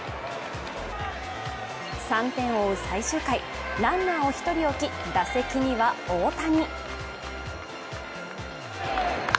３点を追う最終回ランナーを１人置き打席には大谷。